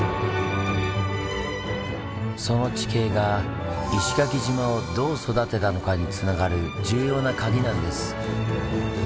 その地形が石垣島をどう育てたのかにつながる重要なカギなんです。